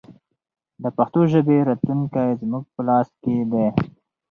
د پښتو ژبې راتلونکی زموږ په لاس کې دی.